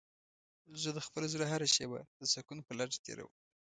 زه د خپل زړه هره شېبه د سکون په لټه تېرووم.